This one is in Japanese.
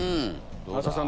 増田さん